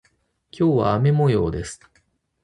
今日は雨模様です。